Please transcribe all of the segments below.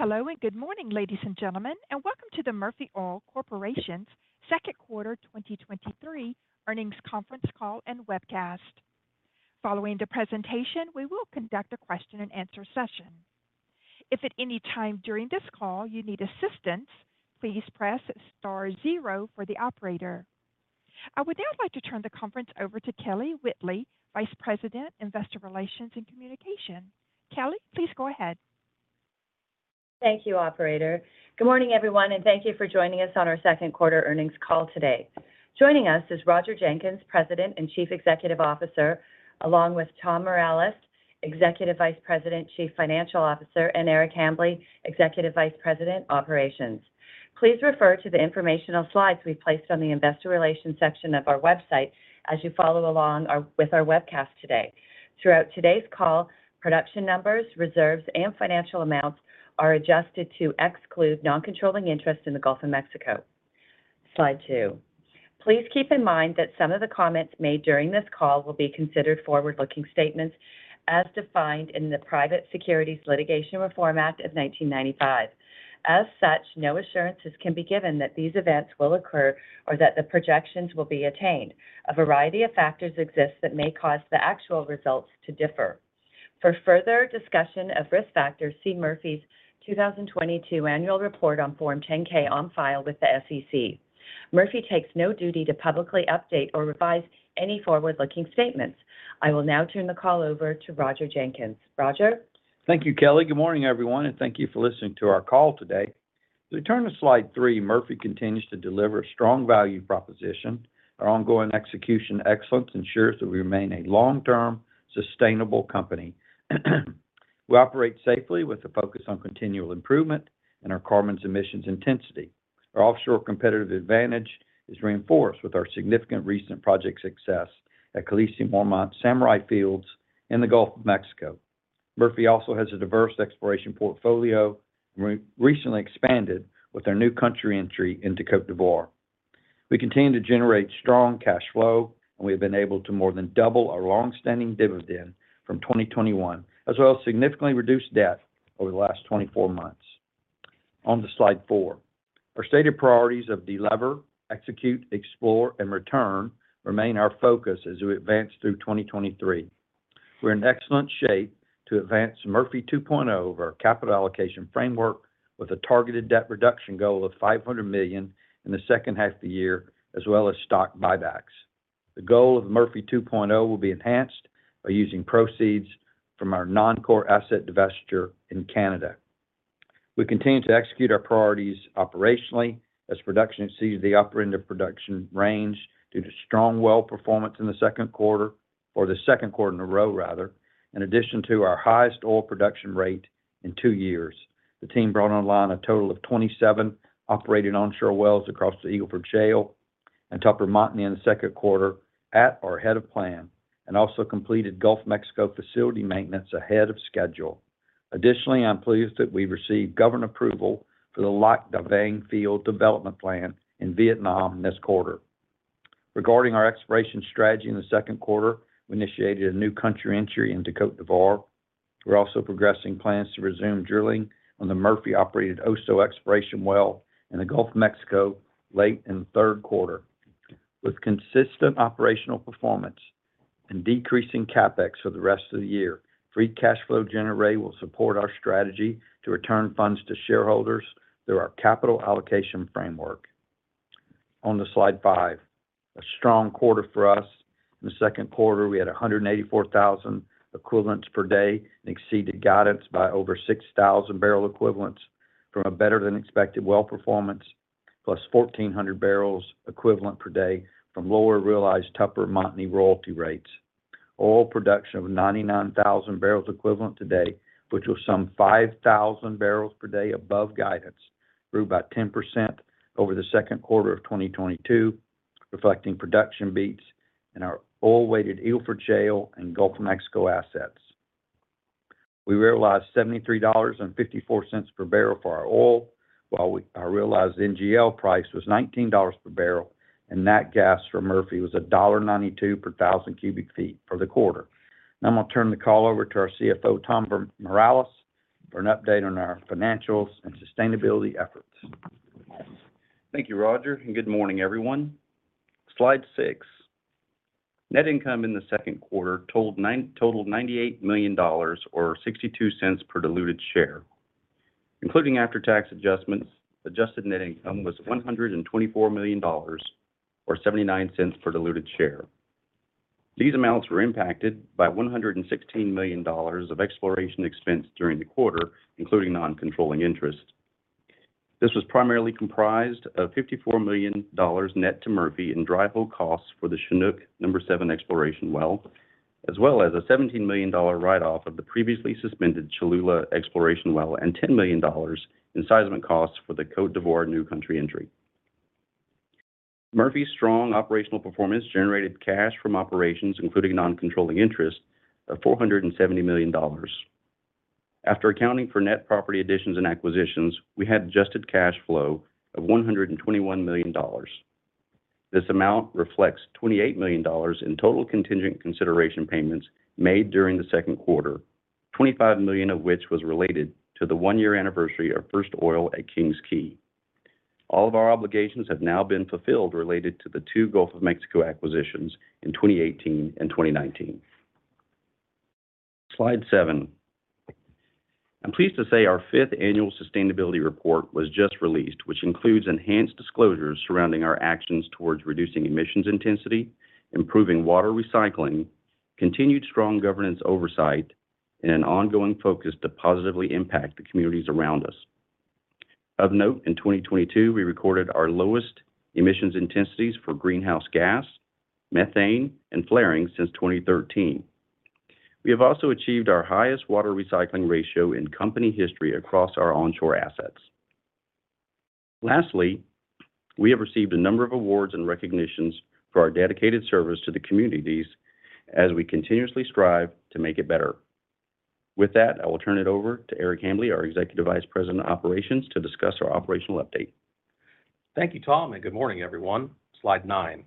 Hello, and good morning, ladies and gentlemen, and welcome to the Murphy Oil Corporation's Q2 2023 earnings conference call and webcast. Following the presentation, we will conduct a question and answer session. If at any time during this call you need assistance, please press star zero for the operator. I would now like to turn the conference over to Kelly Whitley, Vice President, Investor Relations and Communication. Kelly, please go ahead. Thank you, operator. Good morning, everyone, and thank you for joining us on our Q2 earnings call today. Joining us is Roger Jenkins, President and Chief Executive Officer, along with Tom Morales, Executive Vice President, Chief Financial Officer, and Eric Hambly, Executive Vice President, Operations. Please refer to the informational slides we placed on the investor relations section of our website as you follow along with our webcast today. Throughout today's call, production numbers, reserves, and financial amounts are adjusted to exclude non-controlling interests in the Gulf of Mexico. Slide two. Please keep in mind that some of the comments made during this call will be considered forward-looking statements as defined in the Private Securities Litigation Reform Act of 1995. As such, no assurances can be given that these events will occur or that the projections will be attained. A variety of factors exist that may cause the actual results to differ. For further discussion of risk factors, see Murphy's 2022 annual report on Form 10-K on file with the SEC. Murphy takes no duty to publicly update or revise any forward-looking statements. I will now turn the call over to Roger Jenkins. Roger? Thank you, Kelly. Good morning, everyone, thank you for listening to our call today. We turn to slide 3. Murphy continues to deliver a strong value proposition. Our ongoing execution excellence ensures that we remain a long-term, sustainable company. We operate safely with a focus on continual improvement and our carbon emissions intensity. Our offshore competitive advantage is reinforced with our significant recent project success at Khaleesi, Mormont, Samurai Fields in the Gulf of Mexico. Murphy also has a diverse exploration portfolio, recently expanded with our new country entry into Côte d'Ivoire. We continue to generate strong cash flow, we have been able to more than double our long-standing dividend from 2021, as well as significantly reduce debt over the last 24 months. On to slide four. Our stated priorities of deliver, execute, explore, and return remain our focus as we advance through 2023. We're in excellent shape to advance Murphy 2.0, our capital allocation framework, with a targeted debt reduction goal of $500 million in the H2 of the year, as well as stock buybacks. The goal of Murphy 2.0 will be enhanced by using proceeds from our non-core asset divestiture in Canada. We continue to execute our priorities operationally, as production sees the upper end of production range due to strong well performance in the Q2, or the Q2 in a row, rather, in addition to our highest oil production rate in two years. The team brought online a total of 27 operating onshore wells across the Eagle Ford Shale and Tupper Montney in the Q2, at or ahead of plan, and also completed Gulf of Mexico facility maintenance ahead of schedule. Additionally, I'm pleased that we received government approval for the Lac Da Vang field development plan in Vietnam this quarter. Regarding our exploration strategy in the Q2, we initiated a new country entry into Côte d'Ivoire. We're also progressing plans to resume drilling on the Murphy-operated Oso exploration well in the Gulf of Mexico late in the Q3. With consistent operational performance and decreasing CapEx for the rest of the year, free cash flow generate will support our strategy to return funds to shareholders through our capital allocation framework. On slide five, a strong quarter for us. In the Q2, we had 184,000 equivalents per day and exceeded guidance by over 6,000-barrel equivalents from a better than expected well performance, plus 1,400 barrels equivalent per day from lower realized Tupper Montney royalty rates. Oil production of 99,000 barrels equivalent today, which was 5,000 barrels per day above guidance, grew by 10% over the Q2 of 2022, reflecting production beats in our oil-weighted Eagle Ford Shale and Gulf of Mexico assets. We realized $73.54 per barrel for our oil, while our realized NGL price was $19 per barrel, and net gas for Murphy was $1.92 per 1,000 cubic feet for the quarter. I'm going to turn the call over to our CFO, Tom Morales, for an update on our financials and sustainability efforts. Thank you, Roger. Good morning, everyone. Slide six. Net income in the Q2 totaled $98 million or $0.62 per diluted share. Including after-tax adjustments, adjusted net income was $124 million or $0.79 per diluted share. These amounts were impacted by $116 million of exploration expense during the quarter, including non-controlling interest. This was primarily comprised of $54 million net to Murphy in dry hole costs for the Chinook number seven exploration well, as well as a $17 million write-off of the previously suspended Cholula exploration well and $10 million in seismic costs for the Côte d'Ivoire new country entry. Murphy's strong operational performance generated cash from operations, including non-controlling interest of $470 million. After accounting for net property additions and acquisitions, we had adjusted cash flow of $121 million. This amount reflects $28 million in total contingent consideration payments made during the Q2, $25 million of which was related to the one-year anniversary of first oil at King's Quay. All of our obligations have now been fulfilled related to the two Gulf of Mexico acquisitions in 2018 and 2019. Slide seven. I'm pleased to say our fifth annual sustainability report was just released, which includes enhanced disclosures surrounding our actions towards reducing emissions intensity, improving water recycling, continued strong governance oversight, and an ongoing focus to positively impact the communities around us. Of note, in 2022, we recorded our lowest emissions intensities for greenhouse gas, methane, and flaring since 2013. We have also achieved our highest water recycling ratio in company history across our onshore assets. Lastly, we have received a number of awards and recognitions for our dedicated service to the communities as we continuously strive to make it better. With that, I will turn it over to Eric Hambly, our Executive Vice President of Operations, to discuss our operational update. Thank you, Tom, and good morning, everyone. Slide nine.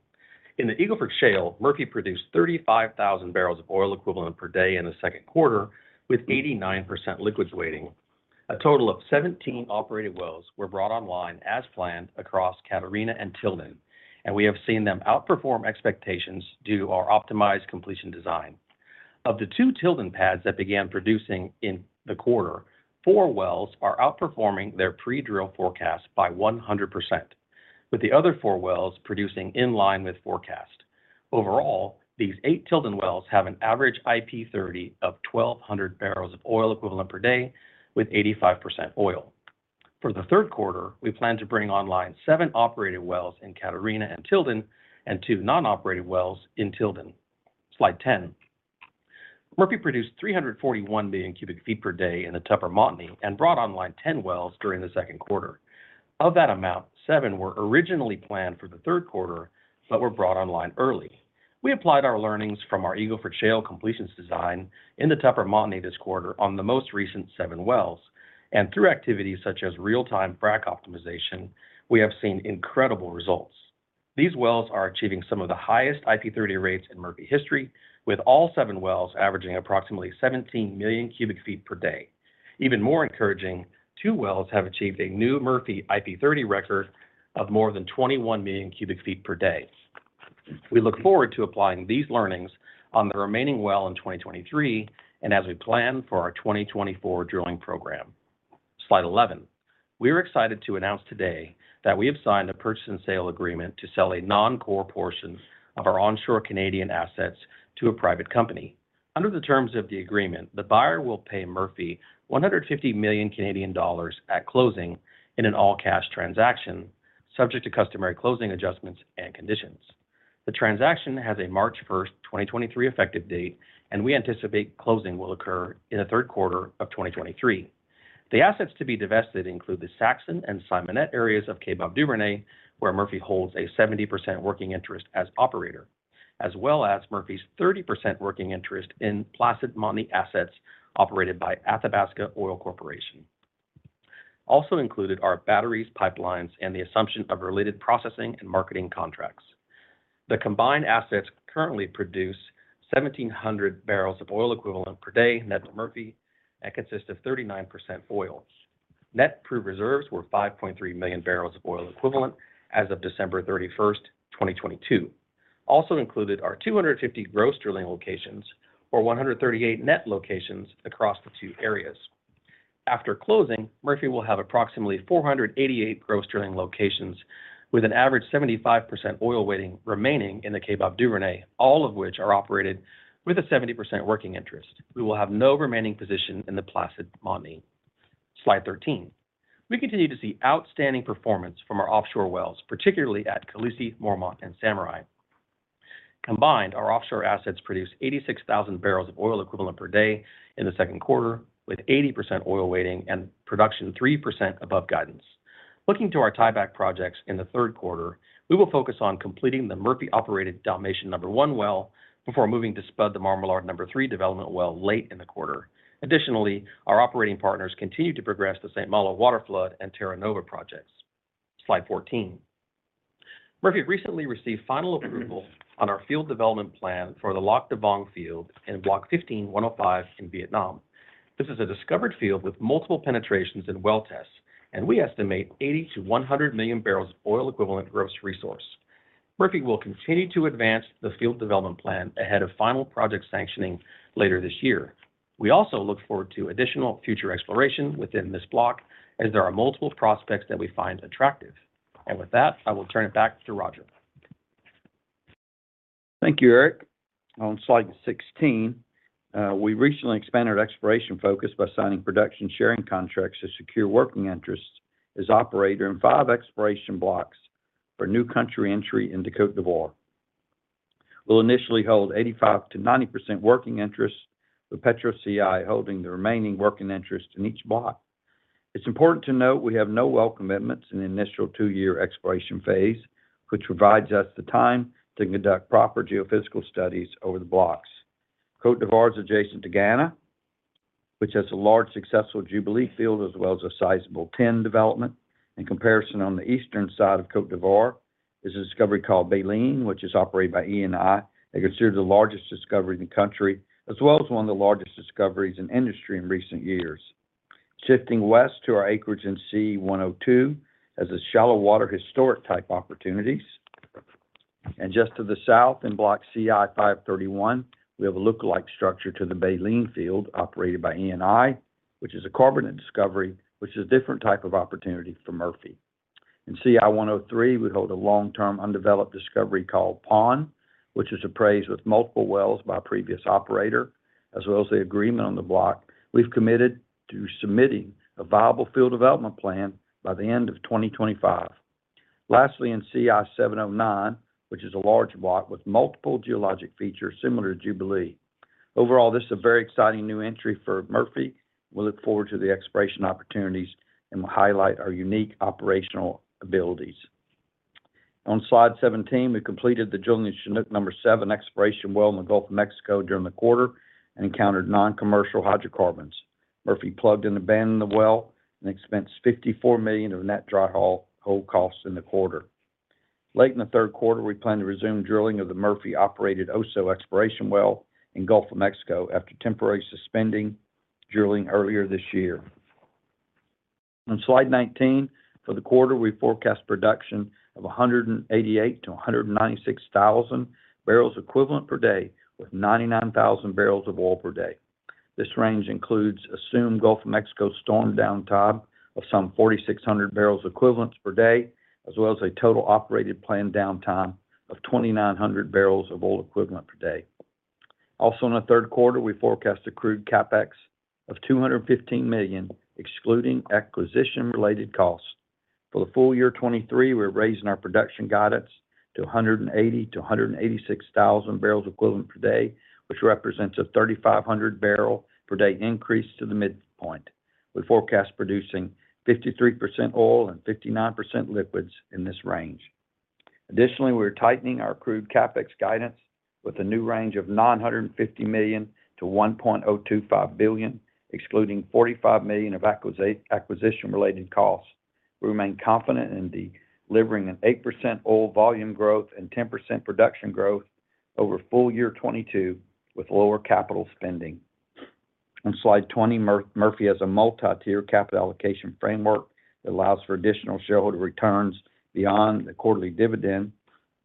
In the Eagle Ford Shale, Murphy produced 35,000 barrels of oil equivalent per day in the Q2, with 89% liquids weighting. A total of 17 operated wells were brought online as planned across Catarina and Tilden, and we have seen them outperform expectations due to our optimized completion design. Of the two Tilden pads that began producing in the quarter, four wells are outperforming their pre-drill forecast by 100%, with the other four wells producing in line with forecast. Overall, these eight Tilden wells have an average IP30 of 1,200 barrels of oil equivalent per day, with 85% oil. For the Q3, we plan to bring online seven operated wells in Catarina and Tilden, and two non-operated wells in Tilden. Slide 10. Murphy produced 341 million cubic feet per day in the Tupper Montney and brought online 10 wells during the Q2. Of that amount, seven were originally planned for the Q3, but were brought online early. We applied our learnings from our Eagle Ford Shale completions design in the Tupper Montney this quarter on the most recent seven wells, and through activities such as real-time frack optimization, we have seen incredible results. These wells are achieving some of the highest IP30 rates in Murphy history, with all seven wells averaging approximately 17 million cubic feet per day. Even more encouraging, two wells have achieved a new Murphy IP30 record of more than 21 million cubic feet per day. We look forward to applying these learnings on the remaining well in 2023, and as we plan for our 2024 drilling program. Slide 11. We are excited to announce today that we have signed a purchase and sale agreement to sell a non-core portion of our onshore Canadian assets to a private company. Under the terms of the agreement, the buyer will pay Murphy 150 million Canadian dollars at closing in an all-cash transaction, subject to customary closing adjustments and conditions. The transaction has a March 1, 2023 effective date, and we anticipate closing will occur in the Q3 of 2023. The assets to be divested include the Saxon and Simonette areas of Cape Breton, Duvernay, where Murphy holds a 70% working interest as operator, as well as Murphy's 30% working interest in Placid Montney assets operated by Athabasca Oil Corporation. Also included are batteries, pipelines, and the assumption of related processing and marketing contracts. The combined assets currently produce 1,700 barrels of oil equivalent per day, net to Murphy, and consist of 39% oil. Net proved reserves were 5.3 million barrels of oil equivalent as of December 31st, 2022. Also included are 250 gross drilling locations or 138 net locations across the two areas. After closing, Murphy will have approximately 488 gross drilling locations, with an average 75% oil weighting remaining in the Cape Breton, Duvernay, all of which are operated with a 70% working interest. We will have no remaining position in the Placid Montney. Slide 13. We continue to see outstanding performance from our offshore wells, particularly at Khaleesi, Mormont, and Samurai. Combined, our offshore assets produced 86,000 barrels of oil equivalent per day in the Q2, with 80% oil weighting and production 3% above guidance. Looking to our tieback projects in the Q3, we will focus on completing the Murphy-operated Dalmatian number one well before moving to spud the Marmalard number three development well late in the quarter. Additionally, our operating partners continue to progress the St. Malo waterflood and Terra Nova projects. Slide 14. Murphy recently received final approval on our field development plan for the Lac Da Vang field in Block 15-1/05 in Vietnam. This is a discovered field with multiple penetrations and well tests, and we estimate 80-100 million barrels of oil equivalent gross resource. Murphy will continue to advance the field development plan ahead of final project sanctioning later this year. We also look forward to additional future exploration within this block, as there are multiple prospects that we find attractive. With that, I will turn it back to Roger. Thank you, Eric. On slide 16, we recently expanded our exploration focus by signing production sharing contracts to secure working interests as operator in 5 exploration blocks for new country entry in Côte d'Ivoire. We'll initially hold 85%-90% working interest, with PETROCI holding the remaining working interest in each block. It's important to note we have no well commitments in the initial 2-year exploration phase, which provides us the time to conduct proper geophysical studies over the blocks. Côte d'Ivoire is adjacent to Ghana.... which has a large successful Jubilee field, as well as a sizable TEN development. In comparison, on the eastern side of Côte d'Ivoire, is a discovery called Baleine, which is operated by Eni, and considered the largest discovery in the country, as well as one of the largest discoveries in industry in recent years. Shifting west to our acreage in CI-102, has a shallow water historic type opportunities. Just to the south in block CI-531, we have a lookalike structure to the Baleine field operated by Eni, which is a carbonate discovery, which is a different type of opportunity for Murphy. In CI-103, we hold a long-term undeveloped discovery called Paon, which is appraised with multiple wells by a previous operator, as well as the agreement on the block. We've committed to submitting a viable field development plan by the end of 2025. In CI-709, which is a large block with multiple geologic features similar to Jubilee. Overall, this is a very exciting new entry for Murphy. We look forward to the exploration opportunities and will highlight our unique operational abilities. On slide 17, we completed the Jubilee Chinook number 7 exploration well in the Gulf of Mexico during the quarter and encountered non-commercial hydrocarbons. Murphy plugged and abandoned the well and expensed $54 million of net dry hole costs in the quarter. Late in the Q3, we plan to resume drilling of the Murphy-operated Oso exploration well in Gulf of Mexico after temporarily suspending drilling earlier this year. On slide 19, for the quarter, we forecast production of 188,000-196,000 barrels equivalent per day, with 99,000 barrels of oil per day. This range includes assumed Gulf of Mexico storm downtime of some 4,600 barrels equivalents per day, as well as a total operated planned downtime of 2,900 barrels of oil equivalent per day. In the Q3, we forecast accrued CapEx of $215 million, excluding acquisition-related costs. For the full year 2023, we're raising our production guidance to 180,000-186,000 barrels equivalent per day, which represents a 3,500 barrel per day increase to the midpoint. We forecast producing 53% oil and 59% liquids in this range. Additionally, we're tightening our accrued CapEx guidance with a new range of $950 million- $1.025 billion, excluding $45 million of acquisition, acquisition-related costs. We remain confident in delivering an 8% oil volume growth and 10% production growth over full year 2022 with lower capital spending. On slide 20, Murphy has a multi-tier capital allocation framework that allows for additional shareholder returns beyond the quarterly dividend,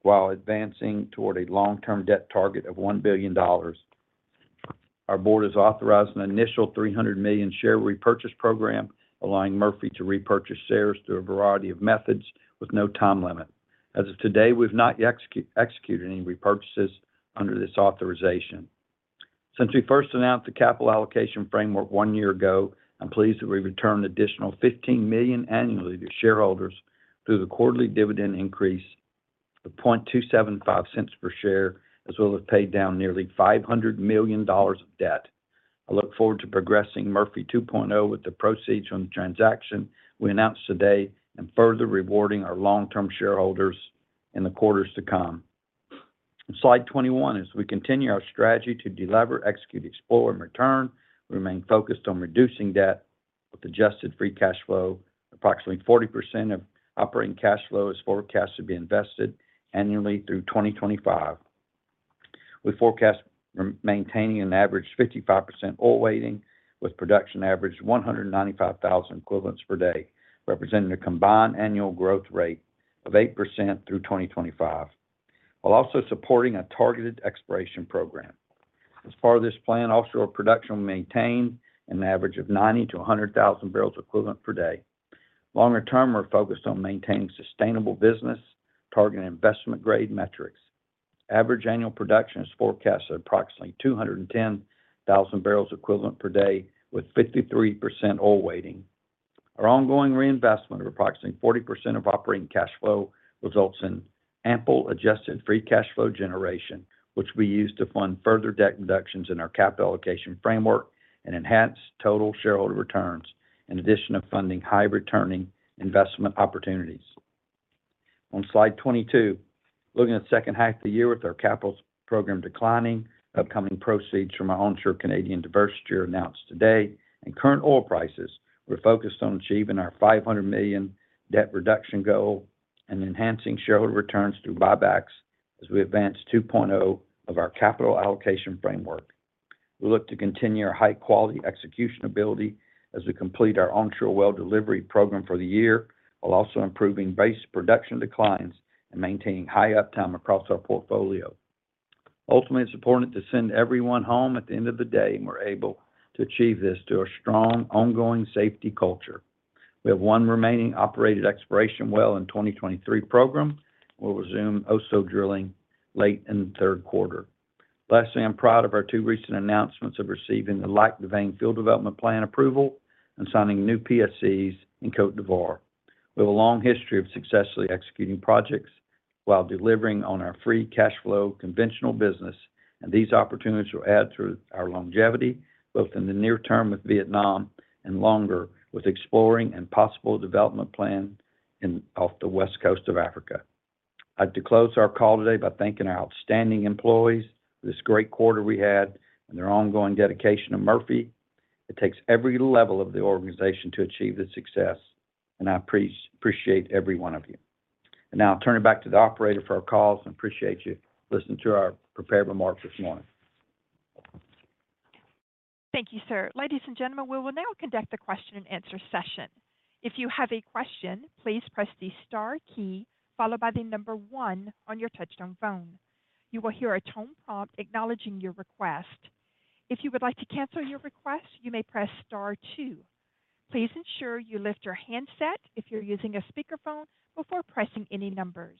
while advancing toward a long-term debt target of $1 billion. Our board has authorized an initial $300 million share repurchase program, allowing Murphy to repurchase shares through a variety of methods with no time limit. As of today, we've not yet execute, executed any repurchases under this authorization. Since we first announced the capital allocation framework one year ago, I'm pleased that we've returned an additional $15 million annually to shareholders through the quarterly dividend increase of $0.00275 per share, as well as paid down nearly $500 million of debt. I look forward to progressing Murphy 2.0 with the proceeds from the transaction we announced today, and further rewarding our long-term shareholders in the quarters to come. Slide 21, as we continue our strategy to delever, execute, explore, and return, we remain focused on reducing debt with adjusted free cash flow. Approximately 40% of operating cash flow is forecast to be invested annually through 2025. We forecast maintaining an average 55% oil weighting, with production average 195,000 equivalents per day, representing a combined annual growth rate of 8% through 2025, while also supporting a targeted exploration program. As part of this plan, offshore production will maintain an average of 90,000-100,000 barrels equivalent per day. Longer term, we're focused on maintaining sustainable business, targeting investment-grade metrics. Average annual production is forecast at approximately 210,000 barrels equivalent per day, with 53% oil weighting. Our ongoing reinvestment of approximately 40% of operating cash flow results in ample adjusted free cash flow generation, which we use to fund further debt reductions in our capital allocation framework and enhance total shareholder returns, in addition to funding high-returning investment opportunities. On slide 22, looking at the H2 of the year with our capital program declining, upcoming proceeds from our onshore Canadian divestiture announced today, and current oil prices, we're focused on achieving our $500 million debt reduction goal and enhancing shareholder returns through buybacks as we advance Murphy 2.0 of our capital allocation framework. We look to continue our high-quality execution ability as we complete our onshore well delivery program for the year, while also improving base production declines and maintaining high uptime across our portfolio. Ultimately, it's important to send everyone home at the end of the day, and we're able to achieve this through a strong, ongoing safety culture. We have one remaining operated exploration well in 2023 program. We'll resume Oso drilling late in the 3rd quarter. Lastly, I'm proud of our two recent announcements of receiving the Lac Da Vang field development plan approval and signing new PSCs in Côte d'Ivoire. We have a long history of successfully executing projects while delivering on our free cash flow conventional business. These opportunities will add to our longevity, both in the near term with Vietnam and longer, with exploring and possible development plan off the west coast of Africa. I'd to close our call today by thanking our outstanding employees for this great quarter we had and their ongoing dedication to Murphy. It takes every level of the organization to achieve this success. I appreciate every one of you. Now I'll turn it back to the operator for our calls. I appreciate you listening to our prepared remarks this morning. Thank you, sir. Ladies and gentlemen, we will now conduct a question-and-answer session. If you have a question, please press the star key, followed by the one on your touchtone phone. You will hear a tone prompt acknowledging your request. If you would like to cancel your request, you may press star two. Please ensure you lift your handset if you're using a speakerphone before pressing any numbers.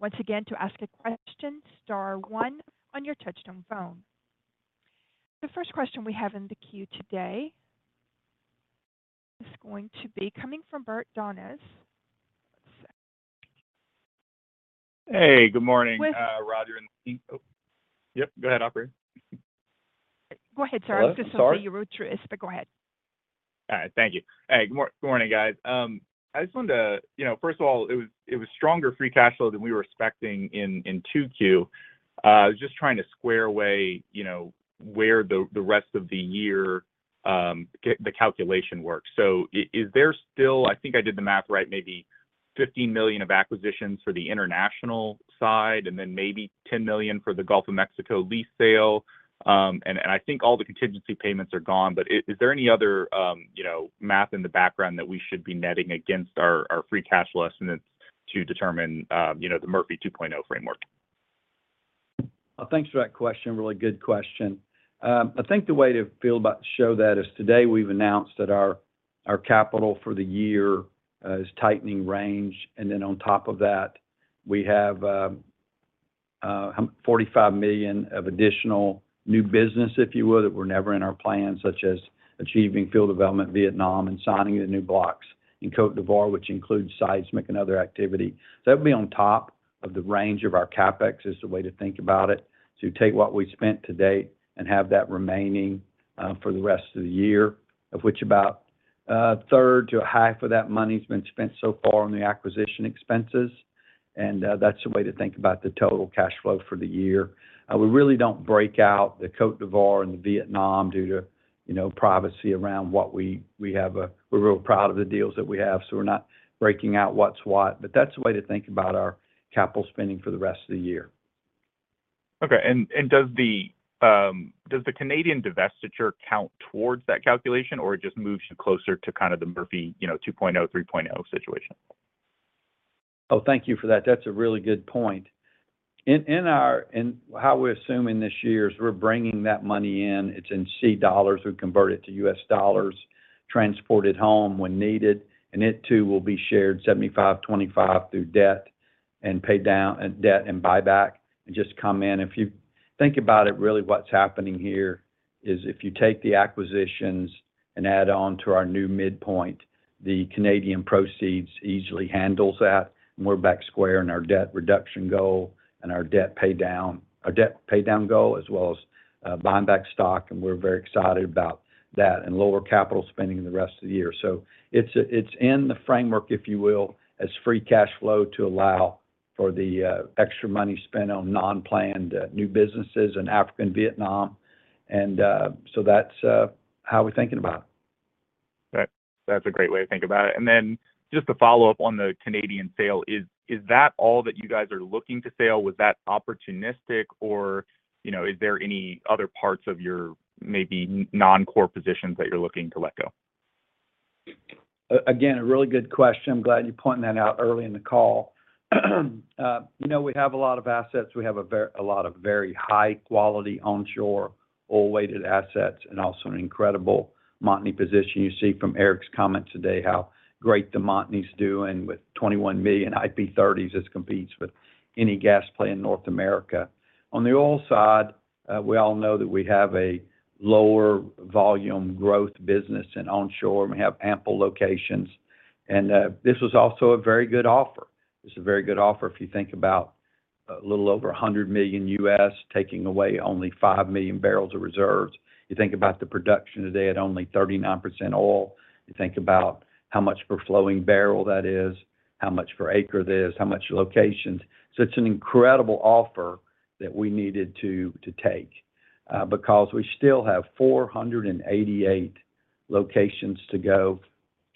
Once again, to ask a question, star one on your touchtone phone. The first question we have in the queue today is going to be coming from Bert Donas one second. Hey, good morning. With- Roger. Oh, yep, go ahead, operator. Go ahead, sir. Hello, sorry. I was just going to say you were through. Go ahead. All right. Thank you. Hey, good morning, guys. I just wanted to, you know, first of all, it was, it was stronger free cash flow than we were expecting in, in 2Q. Just trying to square away, you know, where the, the rest of the year, get the calculation works. Is there still... I think I did the math right, maybe $15 million of acquisitions for the international side, and then maybe $10 million for the Gulf of Mexico lease sale, and, and I think all the contingency payments are gone. Is there any other, you know, math in the background that we should be netting against our, our free cash flow estimates to determine, you know, the Murphy 2.0 framework? Well, thanks for that question. Really good question. I think the way to feel about show that is today we've announced that our, our capital for the year is tightening range. Then on top of that, we have $45 million of additional new business, if you will, that were never in our plans, such as achieving field development Vietnam and signing the new blocks in Cote d'Ivoire, which includes seismic and other activity. That would be on top of the range of our CapEx, is the way to think about it, to take what we spent to date and have that remaining for the rest of the year, of which about a third to a half of that money has been spent so far on the acquisition expenses. That's the way to think about the total cash flow for the year. We really don't break out the Côte d'Ivoire and the Vietnam due to, you know, privacy around what we, we have. We're real proud of the deals that we have, so we're not breaking out what's what, but that's the way to think about our capital spending for the rest of the year. Okay. Does the Canadian divestiture count towards that calculation, or it just moves you closer to kind of the Murphy, you know, 2.0, 3.0 situation? Oh, thank you for that. That's a really good point. In how we're assuming this year is we're bringing that money in. It's in CAD. We convert it to U.S. dollars, transported home when needed, and it too will be shared 75/25 through debt and paid down debt and buyback, and just come in. If you think about it, really what's happening here is if you take the acquisitions and add on to our new midpoint, the Canadian proceeds easily handles that, and we're back square in our debt reduction goal and our debt pay down, our debt pay down goal, as well as buying back stock. We're very excited about that and lower capital spending in the rest of the year. It's, it's in the framework, if you will, as free cash flow to allow for the extra money spent on non-planned new businesses in Africa and Vietnam. That's how we're thinking about it. That's, that's a great way to think about it. Then just to follow up on the Canadian sale, is that all that you guys are looking to sale? Was that opportunistic or, you know, is there any other parts of your maybe non-core positions that you're looking to let go? Again, a really good question. I'm glad you pointed that out early in the call. You know, we have a lot of assets. We have a lot of very high-quality onshore, oil-weighted assets, and also an incredible Montney position. You see from Eric's comment today how great the Montney is doing with 21 million IP30s. This competes with any gas play in North America. On the oil side, we all know that we have a lower volume growth business in onshore, and we have ample locations, and this was also a very good offer. This is a very good offer if you think about little over $100 million US, taking away only 5 million barrels of reserves. You think about the production today at only 39% oil. You think about how much per flowing barrel that is, how much per acre it is, how much locations. It's an incredible offer that we needed to, to take, because we still have 488 locations to go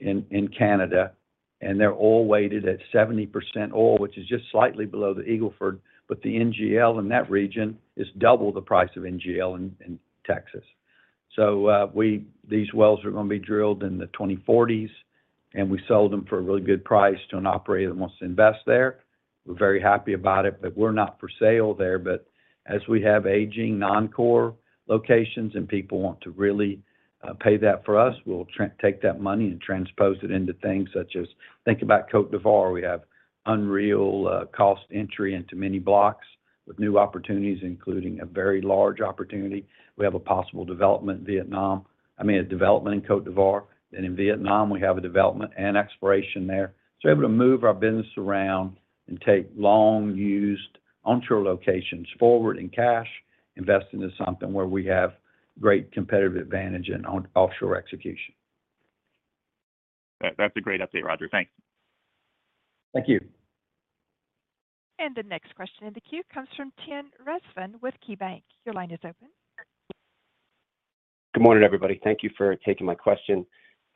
in, in Canada, and they're all weighted at 70% oil, which is just slightly below the Eagle Ford, but the NGL in that region is double the price of NGL in, in Texas. These wells are going to be drilled in the 2040s, and we sold them for a really good price to an operator that wants to invest there. We're very happy about it, but we're not for sale there. As we have aging non-core locations and people want to really pay that for us, we'll take that money and transpose it into things such as, think about Côte d'Ivoire. We have unreal cost entry into many blocks with new opportunities, including a very large opportunity. We have a possible development in Vietnam. I mean, a development in Côte d'Ivoire, and in Vietnam, we have a development and exploration there. We're able to move our business around and take long-used onshore locations forward in cash, invest into something where we have great competitive advantage in offshore execution. That, that's a great update, Roger. Thanks. Thank you. The next question in the queue comes from Tim Rezvan with KeyBanc. Your line is open. Good morning, everybody. Thank you for taking my question.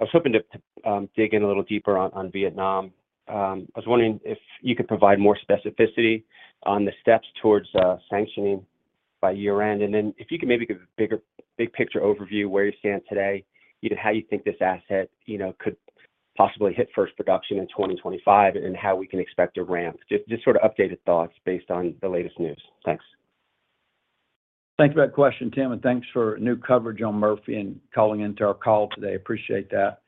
I was hoping to, to dig in a little deeper on, on Vietnam. I was wondering if you could provide more specificity on the steps towards sanctioning by year-end. Then if you could maybe give a bigger, big picture overview, where you stand today, you know, how you think this asset, you know, could possibly hit first production in 2025, and how we can expect a ramp. Just, just sort of updated thoughts based on the latest news. Thanks. Thanks for that question, Tim, and thanks for new coverage on Murphy and calling into our call today. Appreciate that.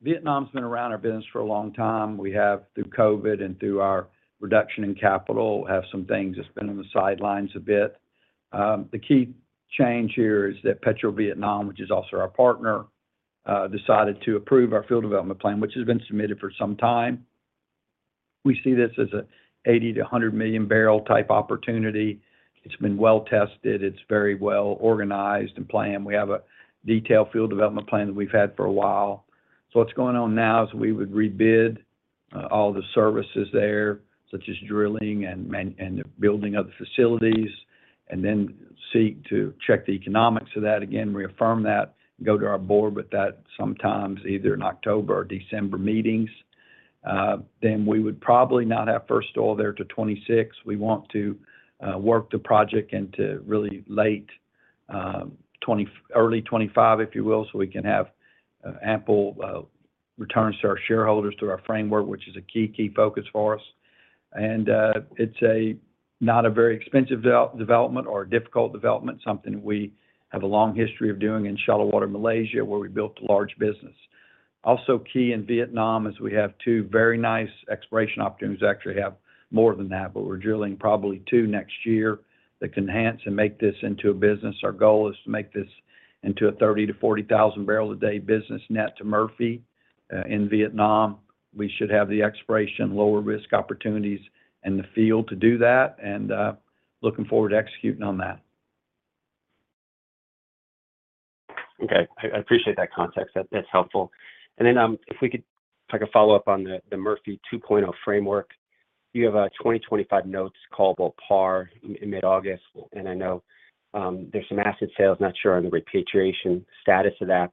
Vietnam's been around our business for a long time. We have, through COVID and through our reduction in capital, have some things that's been on the sidelines a bit. The key change here is that PetroVietnam, which is also our partner, decided to approve our field development plan, which has been submitted for some time. We see this as a 80 million-100 million barrel type opportunity. It's been well tested. It's very well organized and planned. We have a detailed field development plan that we've had for a while. What's going on now is we would rebid all the services there, such as drilling and building other facilities, and then seek to check the economics of that again, reaffirm that, go to our board with that sometimes either in October or December meetings. Then we would probably not have first oil there till 2026. We want to work the project into really late early 2025, if you will, so we can have ample returns to our shareholders through our framework, which is a key, key focus for us. It's a not a very expensive development or a difficult development, something we have a long history of doing in shallow water, Malaysia, where we built a large business. Also, key in Vietnam is we have two very nice exploration opportunities. We actually have more than that, but we're drilling probably two next year that can enhance and make this into a business. Our goal is to make this into a 30,000-40,000 barrel a day business net to Murphy. In Vietnam, we should have the exploration, lower risk opportunities in the field to do that, looking forward to executing on that. Okay, I, I appreciate that context. That, that's helpful. If we could take a follow-up on the Murphy 2.0 framework. You have 2025 notes callable par in mid-August, and I know there's some asset sales, not sure on the repatriation status of that.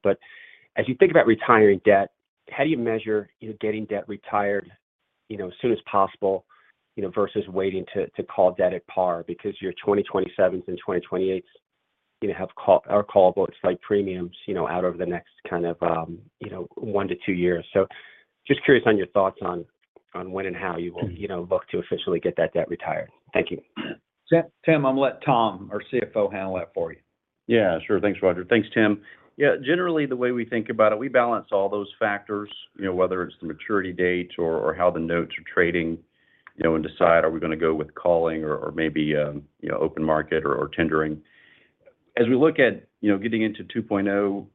As you think about retiring debt, how do you measure, you know, getting debt retired, you know, as soon as possible, you know, versus waiting to call debt at par? Because your 2027s and 2028s, you know, have call- are callable to slight premiums, you know, out over the next kind of, you know, 1 to 2 years. Just curious on your thoughts on when and how you will, you know, look to officially get that debt retired. Thank you. Tim, Tim, I'm gonna let Tom, our CFO, handle that for you. Yeah, sure. Thanks, Roger. Thanks, Tim. Yeah, generally, the way we think about it, we balance all those factors, you know, whether it's the maturity date or, or how the notes are trading, you know, and decide, are we gonna go with calling or, or maybe, you know, open market or, or tendering. As we look at, you know, getting into Murphy 2.0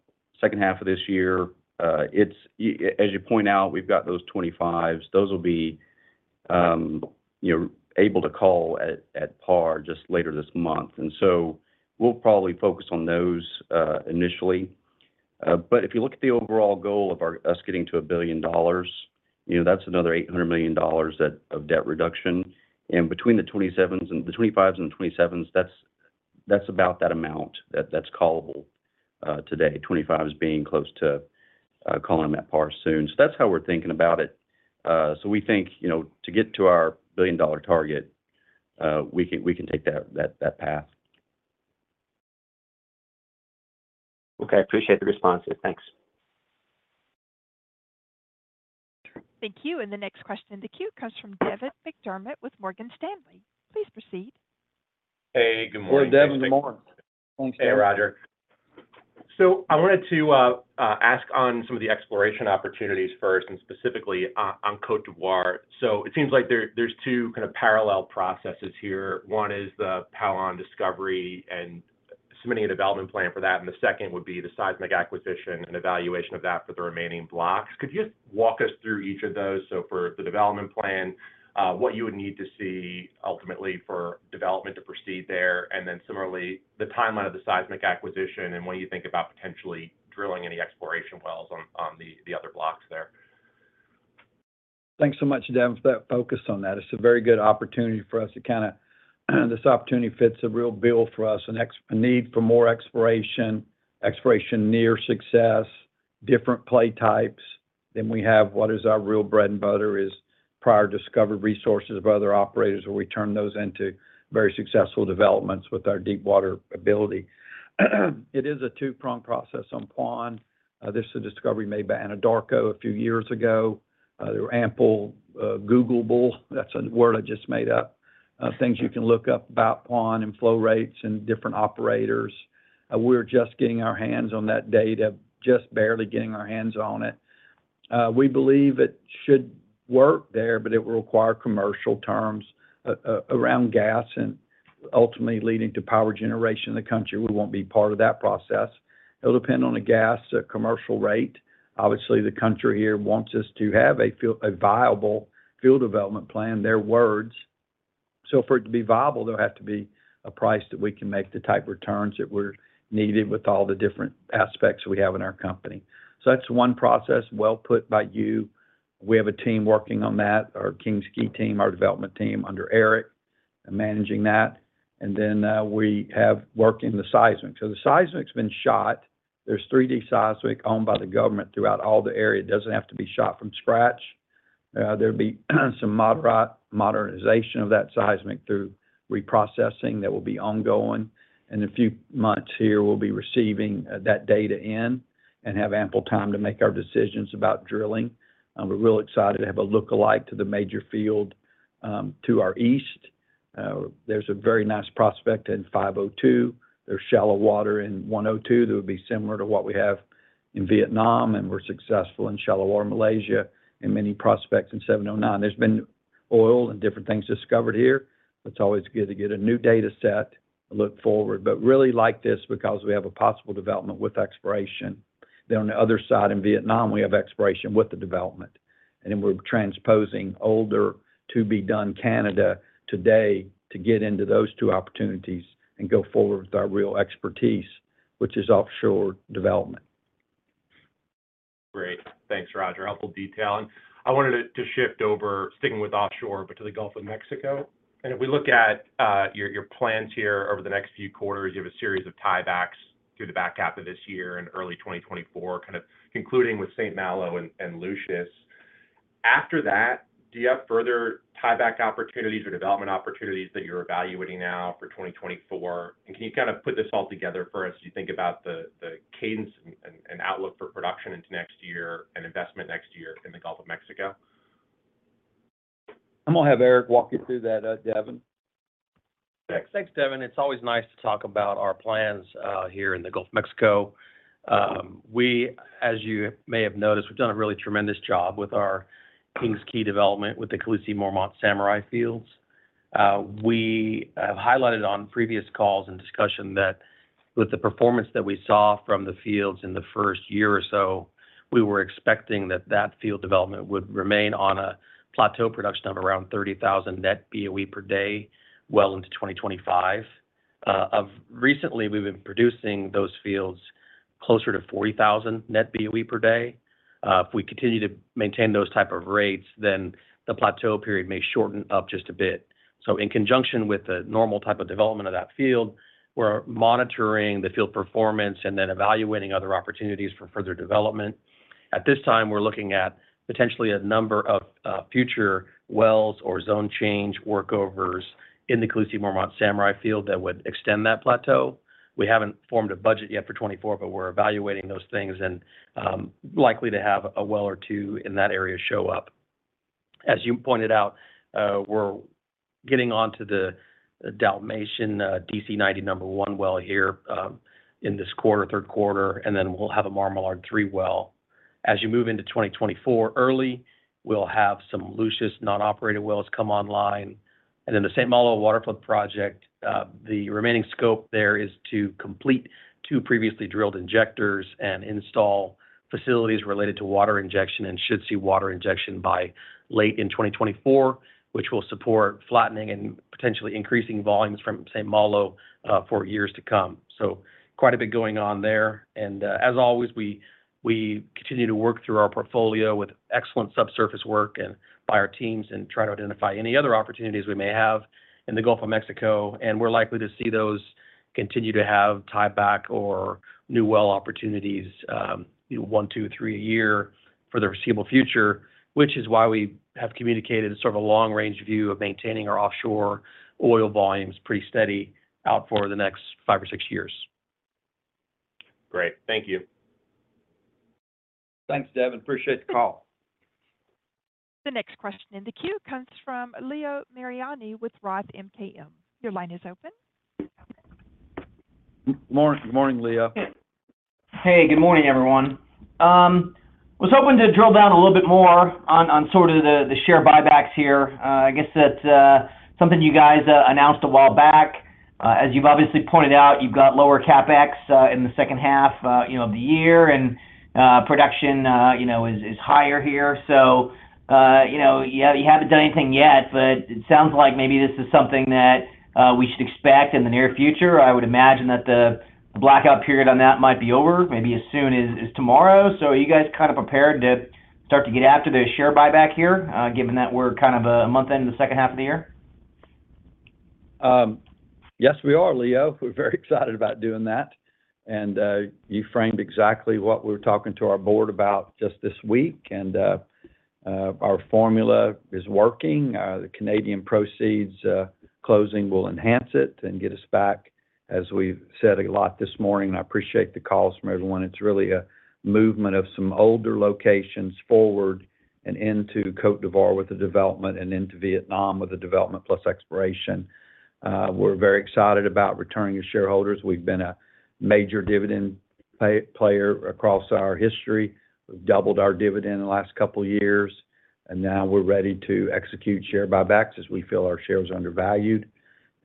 H2 of this year, as you point out, we've got those 25s. Those will be, you know, able to call at par just later this month, and so we'll probably focus on those initially. But if you look at the overall goal of us getting to $1 billion, you know, that's another $800 million that, of debt reduction. between the 27s and, the 25s and 27s, that's, that's about that amount that, that's callable today. 25 is being close to calling them at par soon. That's how we're thinking about it. we think, you know, to get to our $1 billion target, we can, we can take that, that, that path. Okay. I appreciate the response. Yeah, thanks. Thank you. The next question in the queue comes from Devin McDermott with Morgan Stanley. Please proceed. Hey, good morning. Hey, Devin, good morning. Hey, Roger. I wanted to ask on some of the exploration opportunities first, and specifically on, on Côte d'Ivoire. It seems like there, there's two kind of parallel processes here. One is the Poulon discovery and submitting a development plan for that, and the second would be the seismic acquisition and evaluation of that for the remaining blocks. Could you just walk us through each of those? For the development plan, what you would need to see ultimately for development to proceed there, and then similarly, the timeline of the seismic acquisition and when you think about potentially drilling any exploration wells on, on the, the other blocks there. Thanks so much, Devin, for that focus on that. It's a very good opportunity for us to kind of. This opportunity fits a real bill for us, a need for more exploration, exploration near success, different play types than we have. What is our real bread and butter is prior discovered resources of other operators, where we turn those into very successful developments with our deepwater ability. It is a two-pronged process on Paon. This is a discovery made by Anadarko a few years ago. There were ample, Googleable, that's a word I just made up, things you can look up about Paon and flow rates and different operators. We're just getting our hands on that data, just barely getting our hands on it. We believe it should work there, but it will require commercial terms around gas and ultimately leading to power generation in the country. We won't be part of that process. It'll depend on the gas commercial rate. Obviously, the country here wants us to have a viable field development plan, their words. For it to be viable, there'll have to be a price that we can make the type of returns that were needed with all the different aspects we have in our company. That's one process, well put by you. We have a team working on that, our King's Quay team, our development team under Eric, and managing that. Then we have working the seismic. The seismic's been shot. There's 3D seismic owned by the government throughout all the area. It doesn't have to be shot from scratch. There'll be some modernization of that seismic through reprocessing that will be ongoing. In a few months here, we'll be receiving that data in and have ample time to make our decisions about drilling. We're real excited to have a lookalike to the major field to our east. There's a very nice prospect in CI-502. There's shallow water in CI-102 that would be similar to what we have in Vietnam, and we're successful in shallow water Malaysia, and many prospects in CI-709. There's been oil and different things discovered here. It's always good to get a new data set and look forward, but really like this because we have a possible development with exploration. On the other side, in Vietnam, we have exploration with the development, and then we're transposing older to-be-done Canada today to get into those two opportunities and go forward with our real expertise, which is offshore development. Great. Thanks, Roger. Helpful detail. I wanted to shift over, sticking with offshore, but to the Gulf of Mexico. If we look at, your plans here over the next few quarters, you have a series of tiebacks through the back half of this year and early 2024, kind of concluding with St. Malo and Lucius. After that, do you have further tieback opportunities or development opportunities that you're evaluating now for 2024? Can you kind of put this all together for us as you think about the cadence and outlook for production into next year and investment next year in the Gulf of Mexico? I'm going to have Eric walk you through that, Devin. Thanks. Thanks, Devin. It's always nice to talk about our plans here in the Gulf of Mexico. We, as you may have noticed, we've done a really tremendous job with our King's Quay development, with the Khaleesi Mormont Samurai fields. We have highlighted on previous calls and discussion that with the performance that we saw from the fields in the first year or so, we were expecting that that field development would remain on a plateau production of around 30,000 net BOE per day, well into 2025. Of recently, we've been producing those fields closer to 40,000 net BOE per day. If we continue to maintain those type of rates, then the plateau period may shorten up just a bit. In conjunction with the normal type of development of that field, we're monitoring the field performance and then evaluating other opportunities for further development. At this time, we're looking at potentially a number of future wells or zone change workovers in the Khaleesi Mormont Samurai field that would extend that plateau. We haven't formed a budget yet for 2024, but we're evaluating those things and likely to have a well or 2 in that area show up. As you pointed out, we're getting on to the Dalmatian, DC-90 number one well here, in this quarter, Q3, and then we'll have a Marmalard 3 well. As you move into 2024, early, we'll have some Lucius non-operated wells come online. The St. Malo waterflood project, the remaining scope there is to complete two previously drilled injectors and install facilities related to water injection, and should see water injection by late in 2024, which will support flattening and potentially increasing volumes from St. Malo for years to come. Quite a bit going on there. As always, we, we continue to work through our portfolio with excellent subsurface work and by our teams and try to identify any other opportunities we may have in the Gulf of Mexico. We're likely to see those continue to have tieback or new well opportunities, you know, 1, 2, 3 a year for the foreseeable future, which is why we have communicated sort of a long-range view of maintaining our offshore oil volumes pretty steady out for the next 5 or 6 years. Great. Thank you. Thanks, Devin. Appreciate the call. The next question in the queue comes from Leo Mariani with Roth MKM. Your line is open. Morning. Good morning, Leo. Hey, good morning, everyone. was hoping to drill down a little bit more on, on sort of the, the share buybacks here. I guess that's something you guys announced a while back. as you've obviously pointed out, you've got lower CapEx in the H2, you know, of the year, and production, you know, is higher here. you know, you, you haven't done anything yet, but it sounds like maybe this is something that we should expect in the near future. I would imagine that the blackout period on that might be over, maybe as soon as, as tomorrow. are you guys kind of prepared to start to get after the share buyback here, given that we're kind of a month into the H2 of the year? Yes, we are, Leo. We're very excited about doing that, and you framed exactly what we were talking to our board about just this week, and our formula is working. The Canadian proceeds closing will enhance it and get us back, as we've said a lot this morning, I appreciate the calls from everyone. It's really a movement of some older locations forward and into Côte d'Ivoire with the development and into Vietnam with the development plus exploration. We're very excited about returning to shareholders. We've been a major dividend player across our history. We've doubled our dividend in the last couple of years, and now we're ready to execute share buybacks as we feel our shares are undervalued.